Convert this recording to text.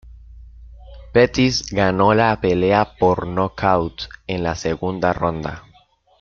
Pettis ganó la pelea por nocaut en la segunda ronda.